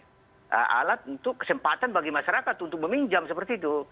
koordinator pemukam ini jangan menjadi alat untuk kesempatan bagi masyarakat untuk meminjam seperti itu